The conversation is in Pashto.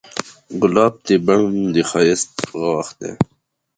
ګلاب د بڼ د ښایست غاښ دی.